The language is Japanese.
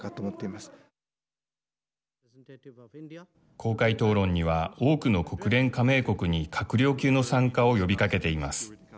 公開討論には多くの国連加盟国に閣僚級の参加を呼びかけています。